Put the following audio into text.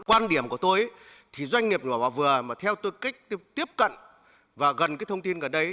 quan điểm của tôi thì doanh nghiệp nhỏ và vừa mà theo tôi cách tiếp cận và gần cái thông tin gần đấy